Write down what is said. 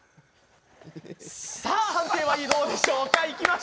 さあ、判定はどうでしょうか？